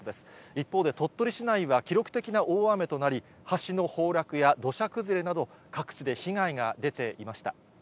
一方で鳥取市内は記録的な大雨となり、橋の崩落や土砂崩れなど、各地で被害が出ていました。